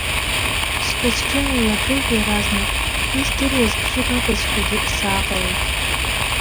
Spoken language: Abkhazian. Схәы-сжьы ааилагылт иаразнак, издыруаз бжьык акәызшәагьы сааҟалеит.